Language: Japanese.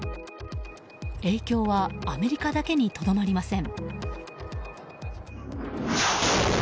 影響はアメリカだけにとどまりません。